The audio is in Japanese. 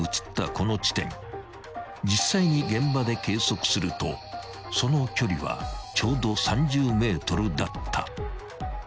［実際に現場で計測するとその距離はちょうど３０ｍだった］